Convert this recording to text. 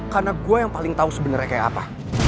karena gue yang paling tau sebenernya kayak apa